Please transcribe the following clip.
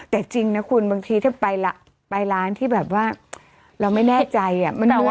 แต่จริงนะคุณบางทีถ้าไปร้านที่แบบว่าเราไม่แน่ใจ